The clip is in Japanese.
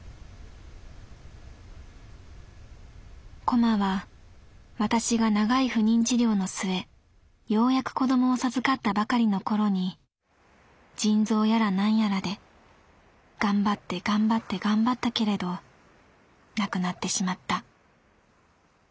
「コマは私が長い不妊治療の末ようやく子供を授かったばかりの頃に腎臓やらなんやらで頑張って頑張って頑張ったけれど亡くなってしまった。